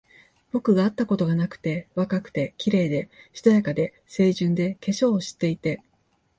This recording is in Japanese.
僕があったことがなくて、若くて、綺麗で、しとやかで、清純で、化粧を知っていて、